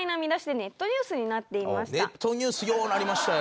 ネットニュースようなりましたよ。